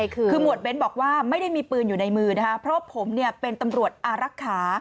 คือหมวดเบ้นบอกว่าไม่ได้มีปืนอยู่ในมือนะคะเพราะผมเป็นตำรวจอารักษา